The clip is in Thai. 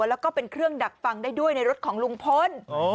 แล้วก็เป็นเครื่องดักฟังได้ด้วยในรถของลุงพล